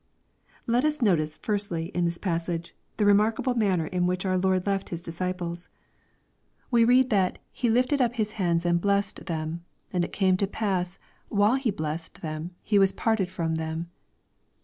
Let us notice, firstly, in this passage, the remarkable manner in which our Lord left His disciples. We read that LUKE, CHAP. xxir. 625 '• He lifted up His hands and blessed them. And it came to pass, while He blessed them, He was parted from them."